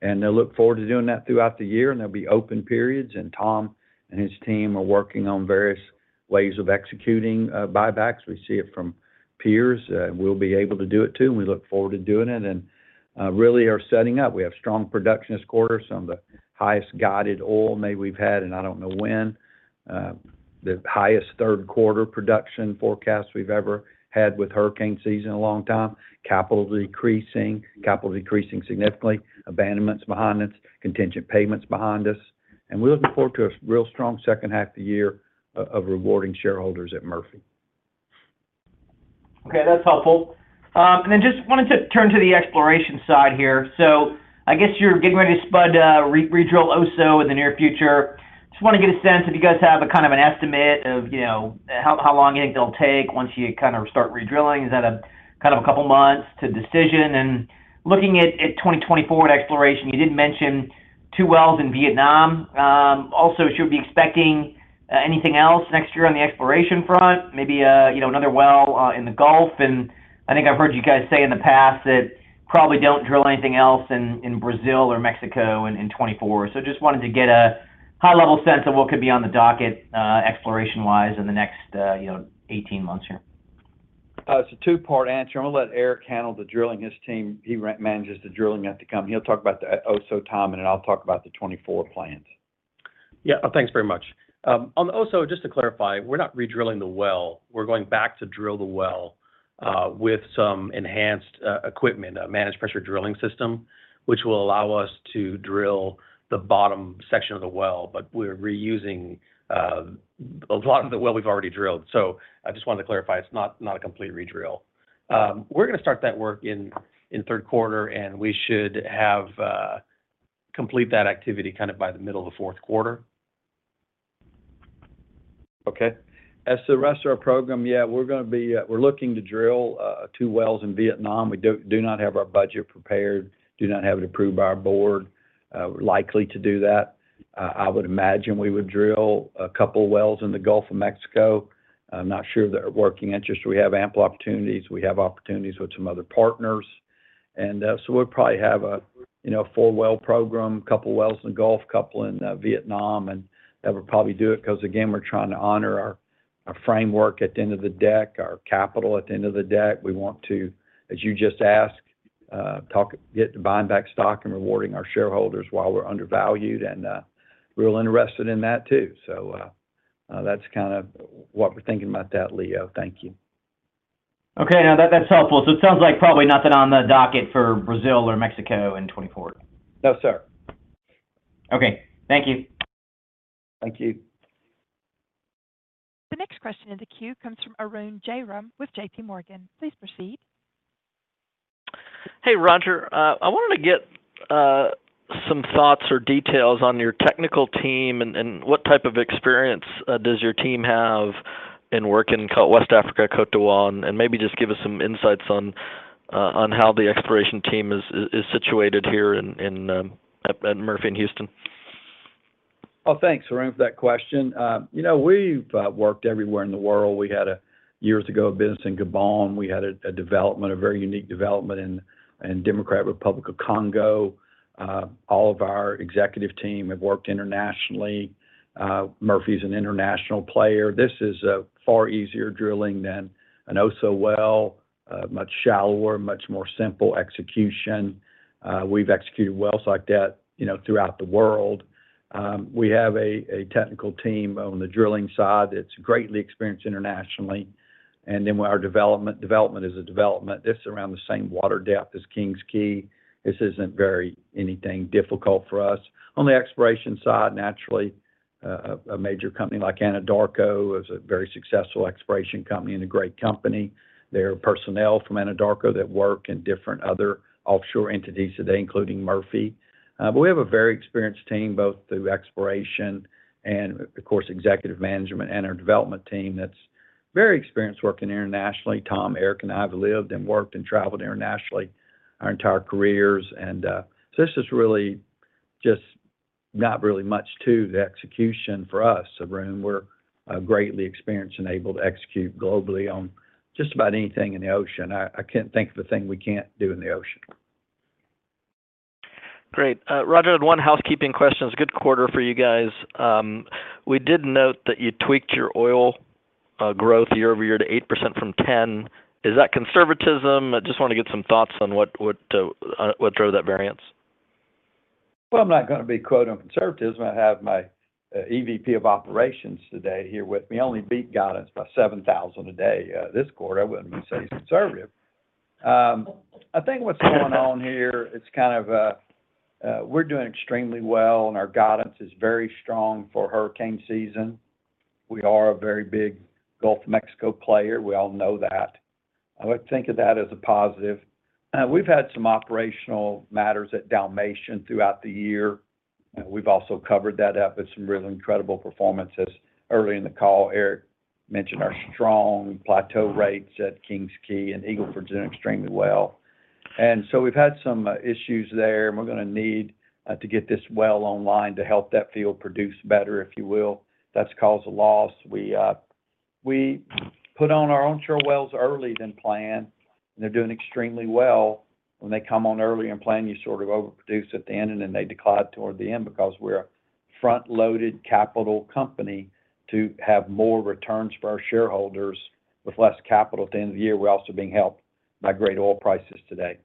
They'll look forward to doing that throughout the year. There'll be open periods. Tom and his team are working on various ways of executing buybacks. We see it from peers. We'll be able to do it too. We look forward to doing it, and really are setting up. We have strong production this quarter, some of the highest guided oil maybe we've had in I don't know when. The highest Q3 production forecast we've ever had with hurricane season in a long time. Capital decreasing, capital decreasing significantly, abandonments behind us, contingent payments behind us. We're looking forward to a real strong H2 of the year of rewarding shareholders at Murphy. Okay, that's helpful. Just wanted to turn to the exploration side here. I guess you're getting ready to spud redrill Oso in the near future. Just want to get a sense if you guys have a kind of an estimate of, you know, how, how long it'll take once you kind of start redrilling. Is that a kind of a couple months to decision? Looking at 2024 in exploration, you did mention two wells in Vietnam. Also, should we be expecting anything else next year on the exploration front? Maybe a, you know, another well in the Gulf. I think I've heard you guys say in the past that probably don't drill anything else in, in Brazil or Mexico in 2024. just wanted to get a high-level sense of what could be on the docket, exploration-wise in the next, you know, 18 months here. It's a 2-part answer. I'm going to let Eric handle the drilling. His team, he manages the drilling at the company. He'll talk about the Oso timing. I'll talk about the 2024 plans. Yeah, thanks very much. On the Oso, just to clarify, we're not redrilling the well. We're going back to drill the well, with some enhanced equipment, a managed pressure drilling system, which will allow us to drill the bottom section of the well, but we're reusing a lot of the well we've already drilled. I just wanted to clarify, it's not, not a complete redrill. We're going to start that work in Q3, and we should have complete that activity kind of by the middle of the Q4. Okay. As to the rest of our program, yeah, we're going to be. We're looking to drill 2 wells in Vietnam. We do not have our budget prepared, do not have it approved by our board. Likely to do that. I would imagine we would drill 2 wells in the Gulf of Mexico. I'm not sure they're working interest. We have ample opportunities. We have opportunities with some other partners. So we'll probably have a, you know, 4-well program, 2 wells in the Gulf, 2 in Vietnam, and that would probably do it. ‘Cause again, we're trying to honor our framework at the end of the deck, our capital at the end of the deck. We want to, as you just asked, get to buying back stock and rewarding our shareholders while we're undervalued, and we're interested in that too. That's kind of what we're thinking about that, Leo. Thank you. Okay, now that, that's helpful. It sounds like probably nothing on the docket for Brazil or Mexico in 2024? No, sir. Okay. Thank you. Thank you. The next question in the queue comes from Arun Jayaram with JPMorgan. Please proceed. Hey, Roger. I wanted to get some thoughts or details on your technical team and, and what type of experience does your team have in working in West Africa, Côte d'Ivoire, and maybe just give us some insights on how the exploration team is, is situated here in, in at, at Murphy in Houston? Oh, thanks, Arun, for that question. You know, we've worked everywhere in the world. We had a, years ago, a business in Gabon. We had a, a development, a very unique development in Democratic Republic of Congo. All of our executive team have worked internationally. Murphy's an international player. This is a far easier drilling than an Oso well, much shallower, much more simple execution. We've executed wells like that, you know, throughout the world. We have a, a technical team on the drilling side that's greatly experienced internationally, and then our development. Development is a development. This is around the same water depth as King's Quay. This isn't very anything difficult for us. On the exploration side, naturally, a, a major company like Anadarko is a very successful exploration company and a great company. There are personnel from Anadarko that work in different other offshore entities today, including Murphy. We have a very experienced team, both through exploration and, of course, executive management and our development team that's very experienced working internationally. Tom, Eric, and I have lived and worked and traveled internationally our entire careers, so this is really just not really much to the execution for us, Arun. We're greatly experienced and able to execute globally on just about anything in the ocean. I, I can't think of a thing we can't do in the ocean. Great. Roger, one housekeeping question. It's a good quarter for you guys. We did note that you tweaked your oil, growth year over year to 8% from 10%. Is that conservatism? I just want to get some thoughts on what, what, on what drove that variance. Well, I'm not going to be quote on conservatism. I have my EVP of Operations today here with me, only beat guidance by 7,000 a day this quarter. I wouldn't say he's conservative. I think what's going on here, it's kind of, we're doing extremely well, and our guidance is very strong for hurricane season. We are a very big Gulf of Mexico player. We all know that. I would think of that as a positive. We've had some operational matters at Dalmatian throughout the year. We've also covered that up with some really incredible performances. Early in the call, Eric mentioned our strong plateau rates at King's Quay, and Eagle Ford is doing extremely well. So we've had some issues there, and we're going to need to get this well online to help that field produce better, if you will. That's caused a loss. We put on our onshore wells early than planned, and they're doing extremely well. When they come on early and planned, you sort of overproduce at the end, and then they decline toward the end because we're a front-loaded capital company to have more returns for our shareholders with less capital at the end of the year. We're also being helped by great oil prices today.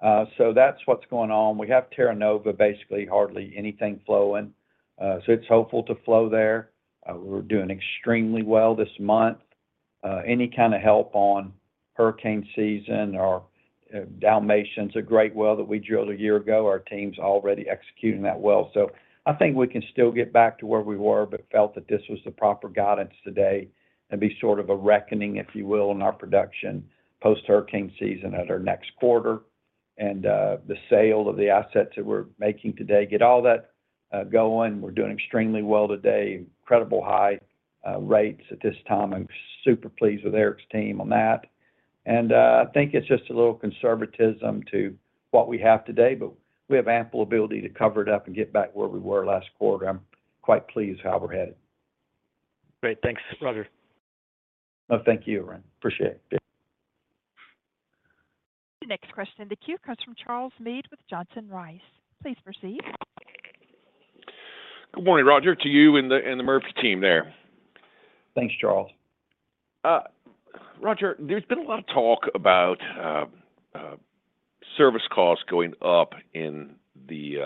That's what's going on. We have Terra Nova, basically, hardly anything flowing, so it's hopeful to flow there. We're doing extremely well this month. Any kind of help on hurricane season or Dalmatian's a great well that we drilled 1 year ago. Our team's already executing that well. I think we can still get back to where we were, but felt that this was the proper guidance today and be sort of a reckoning, if you will, in our production post-hurricane season at our next quarter, and the sale of the assets that we're making today, get all that going. We're doing extremely well today, incredible high rates at this time. I'm super pleased with Eric's team on that, and I think it's just a little conservatism to what we have today, but we have ample ability to cover it up and get back to where we were last quarter. I'm quite pleased how we're headed. Great. Thanks, Roger. No, thank you, Ryan. Appreciate it. The next question in the queue comes from Charles Meade with Johnson Rice. Please proceed. Good morning, Roger, to you and the Murphy team there. Thanks, Charles. Roger, there's been a lot of talk about service costs going up in the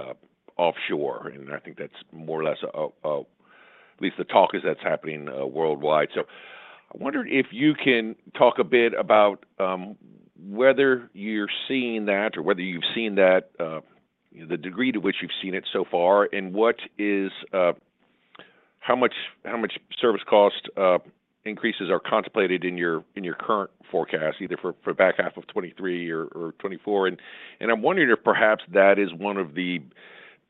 offshore, and I think that's more or less, at least the talk is that's happening, worldwide. I wondered if you can talk a bit about whether you're seeing that or whether you've seen that, the degree to which you've seen it so far, and what is how much, how much service cost increases are contemplated in your, in your current forecast, either for the back half of 2023 or 2024? I'm wondering if perhaps that is one of the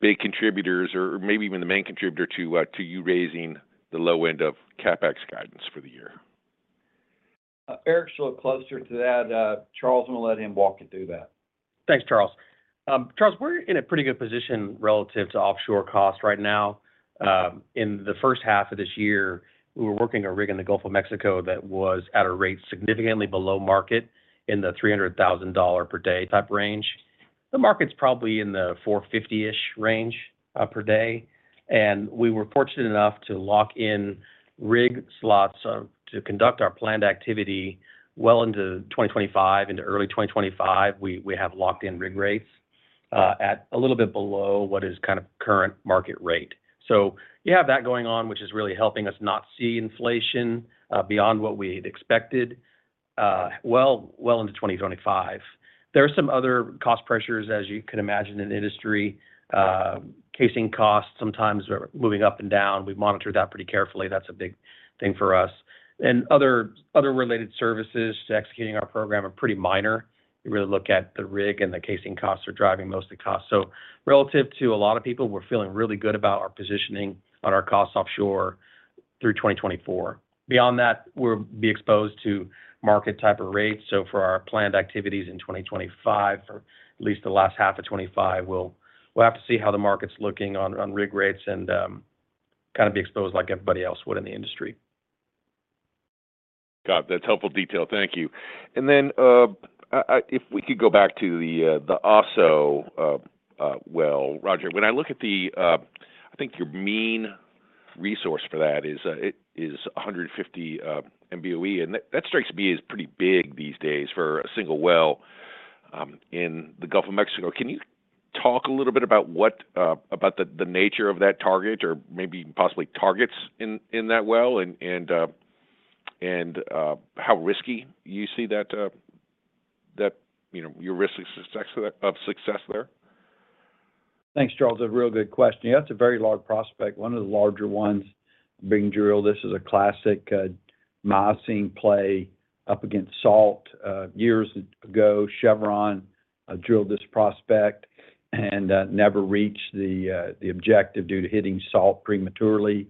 big contributors or maybe even the main contributor to you raising the low end of CapEx guidance for the year. Eric's a little closer to that. Charles, I'm going to let him walk you through that. Thanks, Charles. Charles, we're in a pretty good position relative to offshore cost right now. In the H1 of this year, we were working a rig in the Gulf of Mexico that was at a rate significantly below market in the $300,000 per day type range. The market's probably in the $450-ish range per day, and we were fortunate enough to lock in rig slots to conduct our planned activity well into 2025. Into early 2025, we, we have locked in rig rates at a little bit below what is kind of current market rate. You have that going on, which is really helping us not see inflation beyond what we'd expected well, well into 2025. There are some other cost pressures, as you can imagine, in the industry. Casing costs sometimes are moving up and down. We monitor that pretty carefully. That's a big thing for us. And other, other related services to executing our program are pretty minor. You really look at the rig, and the casing costs are driving most of the cost. So relative to a lot of people, we're feeling really good about our positioning on our costs offshore through 2024. Beyond that, we'll be exposed to market type of rates. So for our planned activities in 2025, or at least the last half of 25, we'll, we'll have to see how the market's looking on, on rig rates and kind of be exposed like everybody else would in the industry. Got it. That's helpful detail. Thank you. Then, if we could go back to the Oso well, Roger, when I look at the, I think your mean resource for that is, it is 150 MBOE, and that, that strikes me as pretty big these days for a single well in the Gulf of Mexico. Can you talk a little bit about what about the, the nature of that target or maybe possibly targets in, in that well and, and how risky you see that, that, you know, your risk of success, of success there? Thanks, Charles. A real good question. Yeah, it's a very large prospect, one of the larger ones being drilled. This is a classic Miocene play up against salt. Years ago, Chevron drilled this prospect and never reached the objective due to hitting salt prematurely.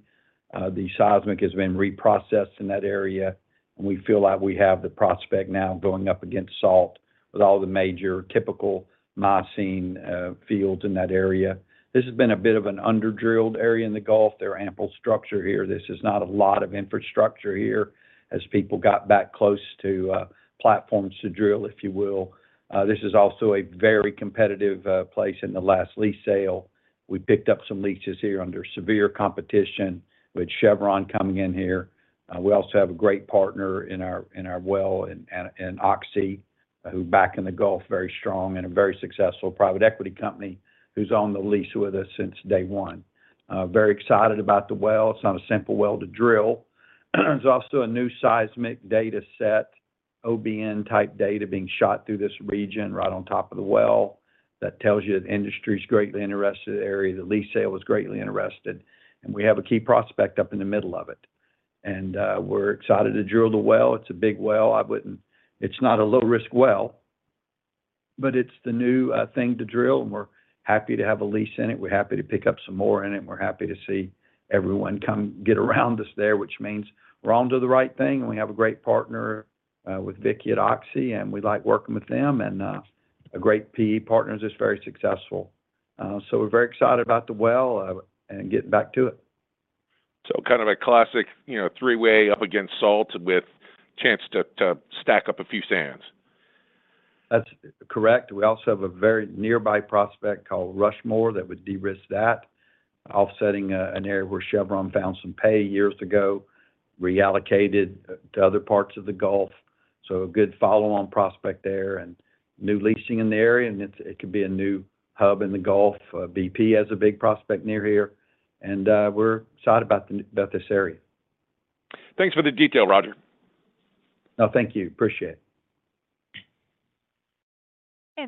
The seismic has been reprocessed in that area, and we feel like we have the prospect now going up against salt with all the major typical Miocene fields in that area. This has been a bit of an under-drilled area in the Gulf. There are ample structure here. This is not a lot of infrastructure here as people got back close to platforms to drill, if you will. This is also a very competitive place in the last lease sale. We picked up some leases here under severe competition, with Chevron coming in here. We also have a great partner in our, in our well, in Oxy, who back in the Gulf, very strong and a very successful private equity company who's on the lease with us since day one. Very excited about the well. It's not a simple well to drill. There's also a new seismic data set, OBN-type data being shot through this region, right on top of the well. That tells you the industry is greatly interested in the area, the lease sale was greatly interested, and we have a key prospect up in the middle of it. We're excited to drill the well. It's a big well. It's not a low-risk well, but it's the new thing to drill, and we're happy to have a lease in it. We're happy to pick up some more in it. We're happy to see everyone come get around us there, which means we're onto the right thing, and we have a great partner with Vicki at Oxy, and we like working with them. A great PE partner that's very successful. We're very excited about the well and getting back to it. kind of a classic, you know, 3-way up against salt with chance to, to stack up a few sands? That's correct. We also have a very nearby prospect called Rushmore that would de-risk that, offsetting an area where Chevron found some pay years ago, reallocated to other parts of the Gulf. A good follow-on prospect there and new leasing in the area, and it could be a new hub in the Gulf. BP has a big prospect near here, and we're excited about this area. Thanks for the detail, Roger. No, thank you. Appreciate it.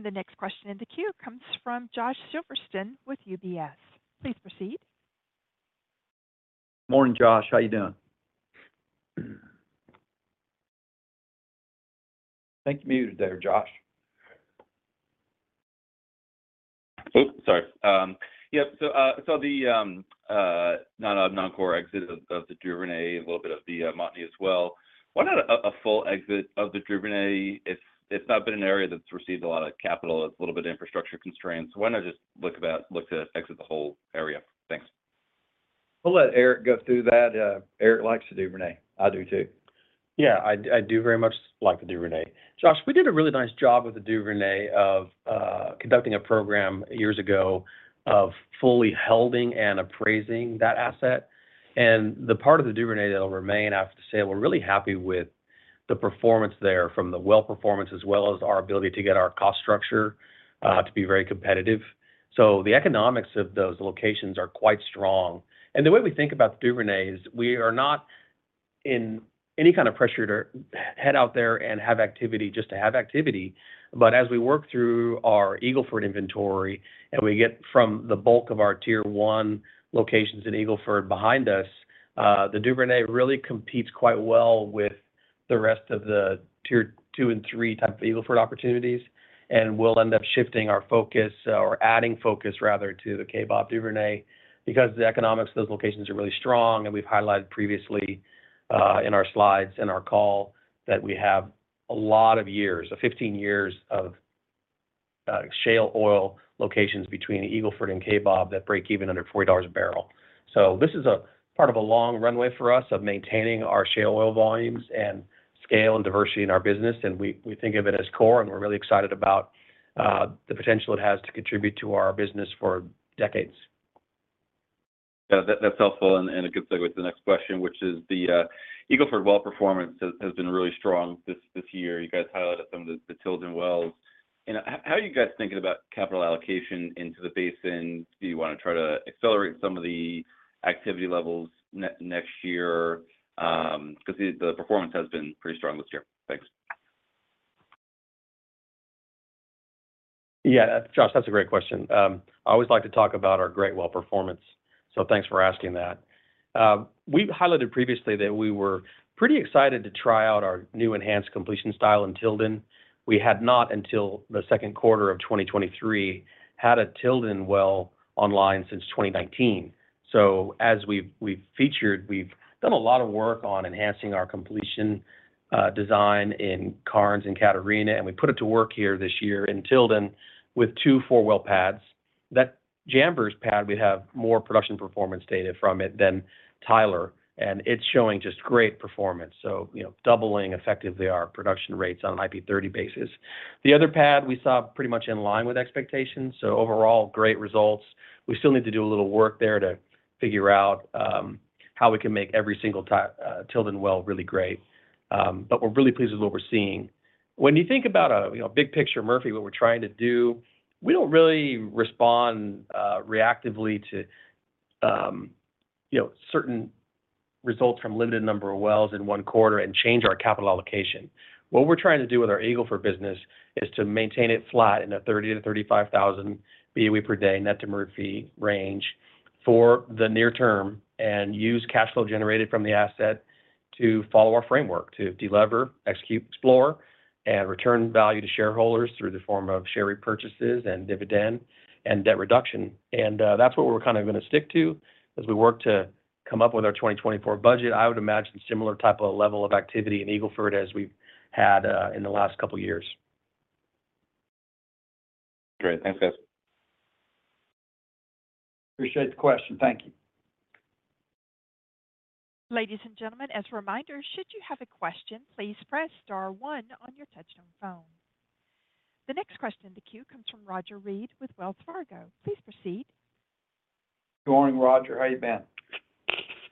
The next question in the queue comes from Josh Silverstein with UBS. Please proceed. Morning, Josh. How you doing? Think you're muted there, Josh. Oops, sorry. Yep, so the non-core exit of the Duvernay, a little bit of the Montney as well. Why not a full exit of the Duvernay if it's not been an area that's received a lot of capital, it's a little bit of infrastructure constraints, why not just look to exit the whole area? Thanks. We'll let Eric Hambly go through that. Eric Hambly likes the Duvernay. I do too. Yeah, I, I do very much like the Duvernay. Josh, we did a really nice job with the Duvernay of conducting a program years ago of fully holding and appraising that asset. The part of the Duvernay that will remain, I have to say, we're really happy with the performance there from the well performance, as well as our ability to get our cost structure to be very competitive. The economics of those locations are quite strong. The way we think about Duvernay is, we are not in any kind of pressure to head out there and have activity just to have activity. As we work through our Eagle Ford inventory and we get from the bulk of our Tier one locations in Eagle Ford behind us, the Duvernay really competes quite well with the rest of the Tier two and three types of Eagle Ford opportunities, and we'll end up shifting our focus or adding focus rather, to the Kaybob Duvernay, because the economics of those locations are really strong, and we've highlighted previously, in our slides, in our call, that we have a lot of years, 15 years of shale oil locations between Eagle Ford and Kaybob that break even under $40 a barrel. This is a part of a long runway for us of maintaining our shale oil volumes and scale and diversity in our business, and we, we think of it as core, and we're really excited about the potential it has to contribute to our business for decades. Yeah, that's helpful and a good segue to the next question, which is the Eagle Ford well performance has been really strong this year. You guys highlighted some of the Tilden wells. How are you guys thinking about capital allocation into the basin? Do you want to try to accelerate some of the activity levels next year? Because the performance has been pretty strong this year. Thanks. Yeah, Josh, that's a great question. I always like to talk about our great well performance, so thanks for asking that. We've highlighted previously that we were pretty excited to try out our new enhanced completion style in Tilden. We had not, until the Q2 of 2023, had a Tilden well online since 2019. As we've, we've featured, we've done a lot of work on enhancing our completion design in Karnes and Catarina, and we put it to work here this year in Tilden with 2 4-well pads. That Chambers pad, we have more production performance data from it than Tyler, and it's showing just great performance. You know, doubling effectively our production rates on an IP30 basis. The other pad we saw pretty much in line with expectations, so overall, great results. We still need to do a little work there to figure out how we can make every single Tilden well really great. We're really pleased with what we're seeing. When you think about a, you know, big picture Murphy, what we're trying to do, we don't really respond reactively to, you know, certain results from limited number of wells in one quarter and change our capital allocation. What we're trying to do with our Eagle Ford business is to maintain it flat in a 30,000-35,000 BOE per day, net to Murphy range for the near term, and use cash flow generated from the asset to follow our framework, to delever, execute, explore, and return value to shareholders through the form of share repurchases and dividend and debt reduction. That's what we're kind of going to stick to as we work to come up with our 2024 budget. I would imagine similar type of level of activity in Eagle Ford as we've had in the last couple of years. Great. Thanks, guys. Appreciate the question. Thank you. Ladies and gentlemen, as a reminder, should you have a question, please press star one on your touchtone phone. The next question in the queue comes from Roger Read with Wells Fargo. Please proceed. Good morning, Roger. How you been?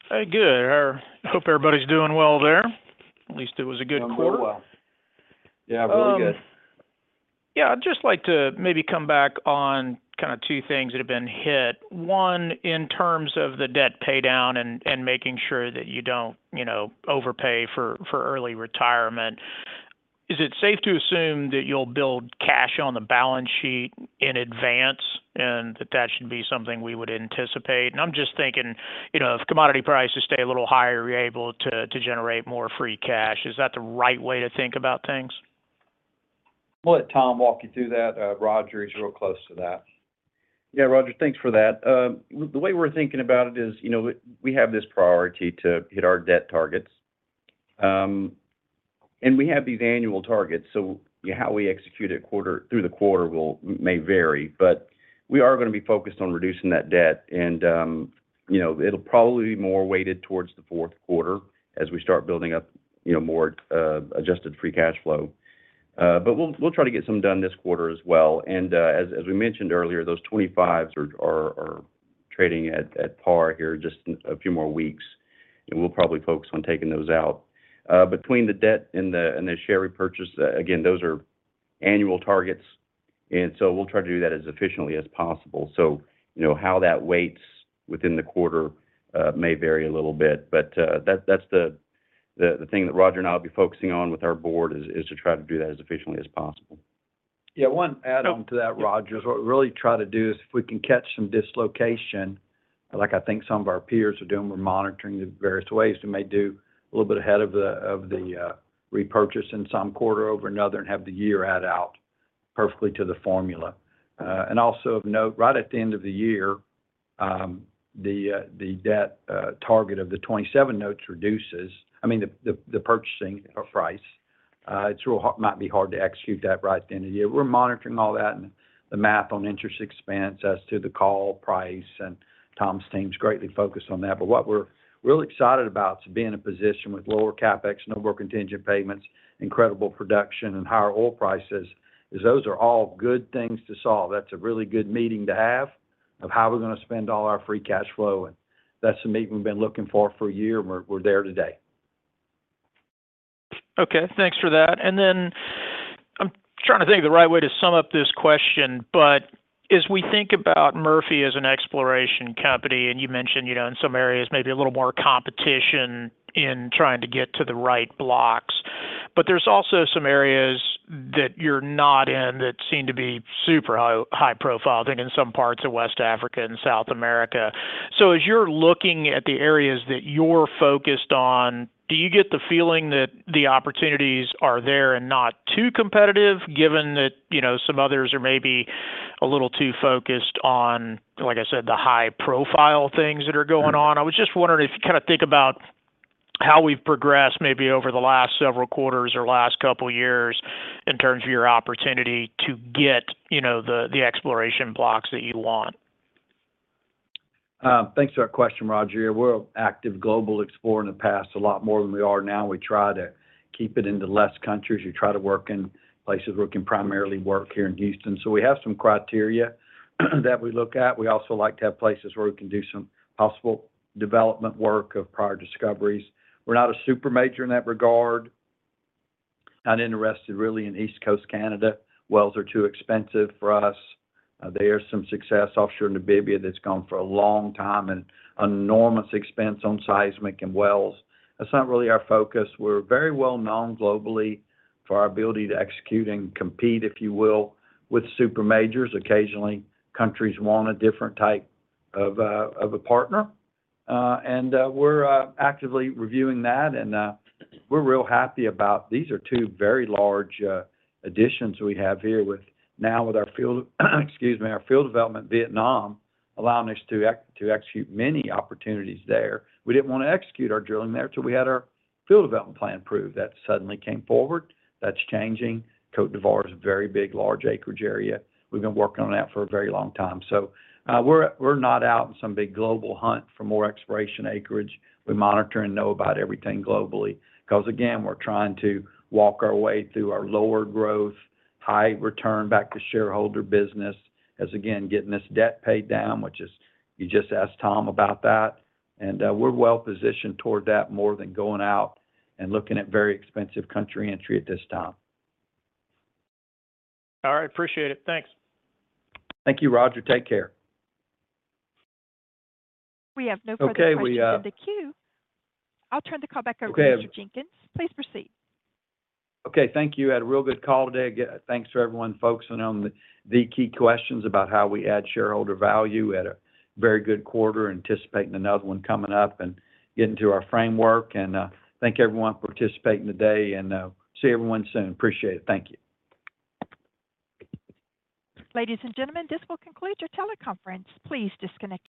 Hey, good. Hope everybody's doing well there. At least it was a good quarter. Doing well. Yeah, really good. Yeah, I'd just like to maybe come back on kind of two things that have been hit. One, in terms of the debt paydown and, and making sure that you don't, you know, overpay for, for early retirement. Is it safe to assume that you'll build cash on the balance sheet in advance, and that, that should be something we would anticipate? I'm just thinking, you know, if commodity prices stay a little higher, you're able to, to generate more free cash. Is that the right way to think about things? We'll let Tom walk you through that. Roger, he's real close to that. Yeah, Roger, thanks for that. The way we're thinking about it is, you know, we, we have this priority to hit our debt targets. We have these annual targets, so how we execute it quarter, through the quarter will, may vary. We are going to be focused on reducing that debt, and, you know, it'll probably be more weighted towards the Q4 as we start building up, you know, more adjusted free cash flow. We'll, we'll try to get some done this quarter as well. As, as we mentioned earlier, those 25s are, are, are trading at, at par here, just a few more weeks, and we'll probably focus on taking those out. Between the debt and the, and the share repurchase, again, those are annual targets, and so we'll try to do that as efficiently as possible. You know, how that weights within the quarter, may vary a little bit, but, that's, that's the, the thing that Roger and I will be focusing on with our board is, is to try to do that as efficiently as possible. Yeah. One add on to that, Roger. What we really try to do is if we can catch some dislocation, like I think some of our peers are doing, we're monitoring the various ways. We may do a little bit ahead of the, of the repurchase in some quarter over another and have the year add out perfectly to the formula. Also of note, right at the end of the year, the debt target of the 2027 notes reduces. I mean, the, the, the purchasing of price. It might be hard to execute that right at the end of the year. We're monitoring all that and the math on interest expense as to the call price, and Tom's team's greatly focused on that. What we're really excited about is being in a position with lower CapEx, no more contingent payments, incredible production, and higher oil prices, is those are all good things to solve. That's a really good meeting to have of how we're going to spend all our free cash flow, and that's the meeting we've been looking for for a year, and we're, we're there today. Okay, thanks for that. I'm trying to think of the right way to sum up this question, but as we think about Murphy as an exploration company, and you mentioned, you know, in some areas, maybe a little more competition in trying to get to the right blocks. There's also some areas that you're not in that seem to be super high, high profile, I think, in some parts of West Africa and South America. As you're looking at the areas that you're focused on, do you get the feeling that the opportunities are there and not too competitive, given that, you know, some others are maybe a little too focused on, like I said, the high-profile things that are going on? I was just wondering if you kind of think about how we've progressed maybe over the last several quarters or last couple of years in terms of your opportunity to get, you know, the, the exploration blocks that you want. Thanks for that question, Roger. We're an active global explorer in the past, a lot more than we are now. We try to keep it into less countries. We try to work in places where we can primarily work here in Houston. We have some criteria, that we look at. We also like to have places where we can do some possible development work of prior discoveries. We're not a super major in that regard. Not interested really in East Coast Canada. Wells are too expensive for us. There's some success offshore in Namibia that's gone for a long time and enormous expense on seismic and wells. That's not really our focus. We're very well known globally for our ability to execute and compete, if you will, with super majors. Occasionally, countries want a different type of a, of a partner, and, we're actively reviewing that, and, we're real happy about. These are two very large additions we have here with now with our field, excuse me, our field development, Vietnam, allowing us to execute many opportunities there. We didn't want to execute our drilling there till we had our field development plan approved. That suddenly came forward. That's changing. Côte d'Ivoire is a very big, large acreage area. We've been working on that for a very long time. We're, we're not out in some big global hunt for more exploration acreage. We monitor and know about everything globally, because, again, we're trying to walk our way through our lower growth, high return back to shareholder business. As again, getting this debt paid down, which is, you just asked Tom about that, we're well positioned toward that more than going out and looking at very expensive country entry at this time. All right, appreciate it. Thanks. Thank you, Roger. Take care. We have no further questions. Okay, we. in the queue. I'll turn the call back over to you, Mr. Jenkins. Please proceed. Okay, thank you. Had a real good call today. Again, thanks to everyone focusing on the, the key questions about how we add shareholder value. We had a very good quarter, anticipating another one coming up and getting to our framework. Thank you, everyone, for participating today, and see everyone soon. Appreciate it. Thank you. Ladies and gentlemen, this will conclude your teleconference. Please disconnect.